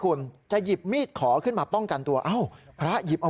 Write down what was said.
พระขู่คนที่เข้าไปคุยกับพระรูปนี้